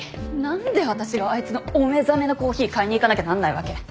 何であたしがあいつのお目覚めのコーヒー買いに行かなきゃなんないわけ？